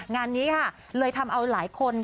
งานนี้ค่ะเลยทำเอาหลายคน